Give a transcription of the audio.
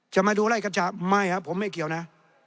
จะมาดูไล่กัญชาไม่ครับผมไม่เกี่ยวนะ